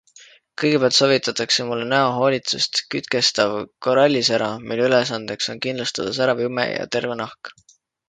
Kõigepealt soovitatakse mulle näohoolitsust Kütkestav korallisära, mille ülesandeks on kindlustada särav jume ja terve nahk.